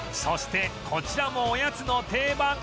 そしてこちらもおやつの定番